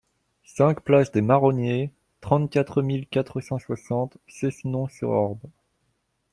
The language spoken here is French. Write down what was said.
cinq place des Marroniers, trente-quatre mille quatre cent soixante Cessenon-sur-Orb